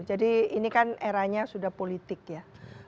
jadi ini kan eranya sudah politik ya